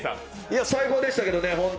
最高でしたけどね。